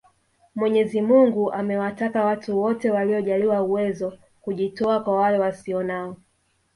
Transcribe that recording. Mwenyezi Mungu amewataka watu wote waliojaliwa uwezo kujitoa kwa wale wasio nao